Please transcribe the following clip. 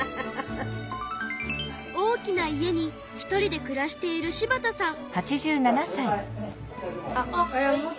大きな家にひとりでくらしている柴田さん。